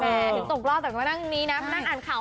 ถึงตกหลอบแต่ไม่ต้องนั่งนี้นะหนังอ่านข่าวอฟนะ